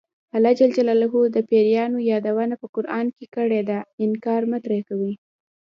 الله ج د پیریانو یادونه په قران کې کړې ده انکار مه ترې کوئ.